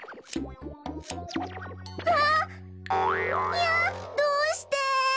いやどうして！